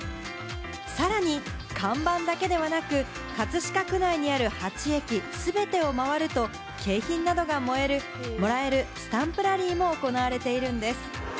さらに看板だけではなく、葛飾区内にある８駅全てを回ると景品などがもらえるスタンプラリーも行われているんです。